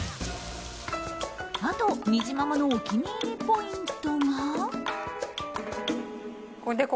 あと、にじままのお気に入りポイントが。